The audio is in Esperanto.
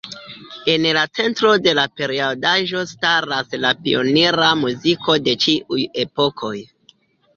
En la centro de la periodaĵo staras la pionira muziko de ĉiuj epokoj.